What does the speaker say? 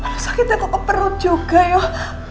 aduh sakitnya kok ke perut juga yuk